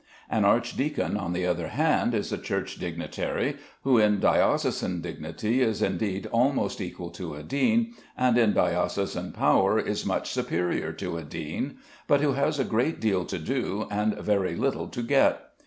An archdeacon, on the other hand, is a Church dignitary, who in diocesan dignity is indeed almost equal to a dean, and in diocesan power is much superior to a dean, but who has a great deal to do and very little to get.